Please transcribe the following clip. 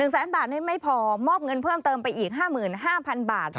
แสนบาทไม่พอมอบเงินเพิ่มเติมไปอีก๕๕๐๐๐บาท